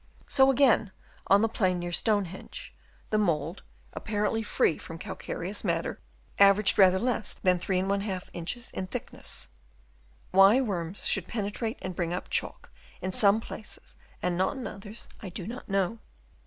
So again on the plain near Stonehenge, the mould, apparently free from calcareous matter, averaged rather less than 3^ inches in thickness. Why worms should penetrate and bring up chalk in some places and not in others I do not know.